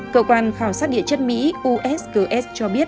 cơ quan khảo sát địa chất mỹ usgs cho biết